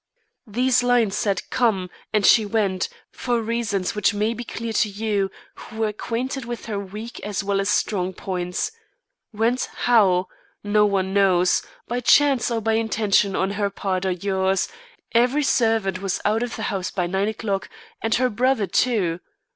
These lines said 'Come!' and she went, for reasons which may be clear to you who were acquainted with her weak as well as strong points. Went how? No one knows. By chance or by intention on her part or yours, every servant was out of the house by nine o'clock, and her brother, too.